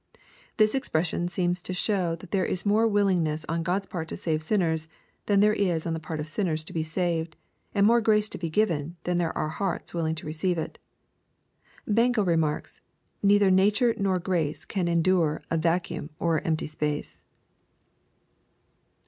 ] This expression seems to show that there is more willingness on God's part to save sinners, than there is on the part of sinners to be saved, and more grace to be given, than there are hearts willing to receive it. Bengel i emarks, " neither nature nor grace can endure a va cuum or empty space."